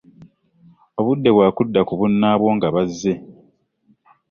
Obudde bwakudda ku bunnaabwo nga bazze.